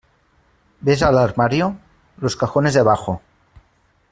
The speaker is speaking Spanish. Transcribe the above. ¿ ves al armario? los cajones de abajo.